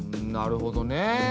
なるほどね。